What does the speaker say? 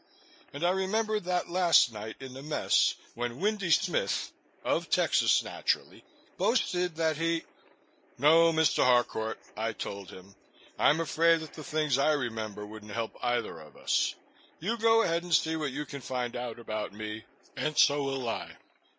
And I remembered that last night in the mess when Windy Smith of Texas, naturally boasted that he "No, Mr. Harcourt," I told him, "I'm afraid that the things I remember wouldn't help either of us. You go ahead and see what you can find out about me, and so will I."